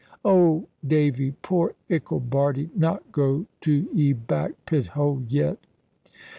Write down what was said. "Old Davy, poor ickle Bardie not go to 'e back pit hole yet?"